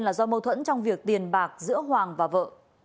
là do mâu thuẫn trong việc tiền bạc giữa hoàng và vợ